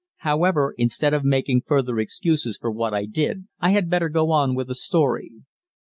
However, instead of making further excuses for what I did, I had better go on with the story.